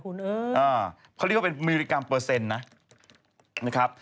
เขาเรียกว่าเป็นมิลลิกรัมเปอร์เซ็นต์นะครับ